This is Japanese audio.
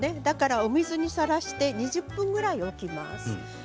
お水にさらして２０分ぐらい置きます。